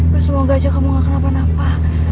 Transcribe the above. gue semoga aja kamu gak kenapa napa